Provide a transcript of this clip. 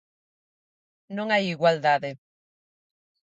Non hai igualdade.